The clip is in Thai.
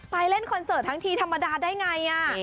เล่นคอนเสิร์ตทั้งทีธรรมดาได้ไง